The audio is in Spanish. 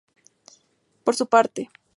Por su parte.